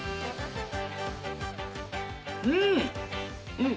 うん！